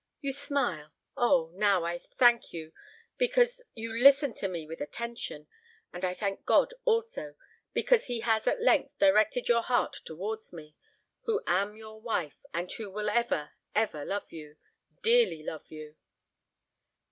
You smile—oh! now I thank you, because you listen to me with attention; and I thank God also, because he has at length directed your heart towards me, who am your wife, and who will ever, ever love you—dearly love you!"